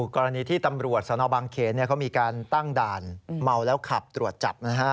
กรณีที่ตำรวจสนบางเขนเขามีการตั้งด่านเมาแล้วขับตรวจจับนะฮะ